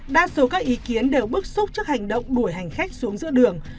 đa số các ý kiến đều bức xúc trước hành động đuổi hành khách xuống giữa đường